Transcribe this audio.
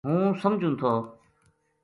ہوں سمجھوں تھو